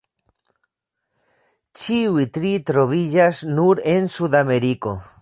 Ĉiuj tri troviĝas nur en Sudameriko.